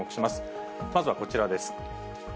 まずはこちらです。